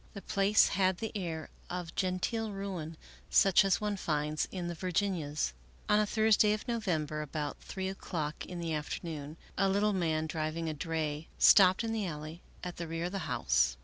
The place had the air of genteel ruin, such as one finds in the Vir ginias, On a Thursday of November, about three o'clock in the afternoon, a little man, driving a dray, stopped in the alley at the rear of the house.